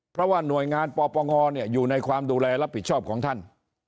เพราะว่าหน่วยงานปปงอยู่ในความดูแลรับผิดชอบของท่าน